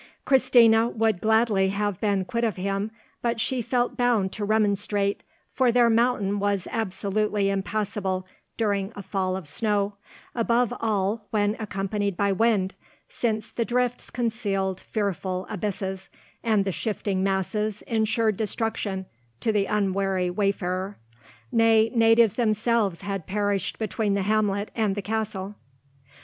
Christina would gladly have been quit of him, but she felt bound to remonstrate, for their mountain was absolutely impassable during a fall of snow, above all when accompanied by wind, since the drifts concealed fearful abysses, and the shifting masses insured destruction to the unwary wayfarer; nay, natives themselves had perished between the hamlet and the castle.